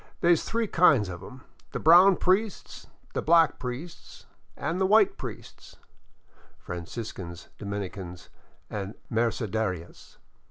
They 's three kinds of 'em : the brown priests, the black priests, an' the white priests " (Franciscans, Dominicans, and Mercedarias).